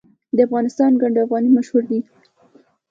د افغانستان ګنډ افغاني مشهور دی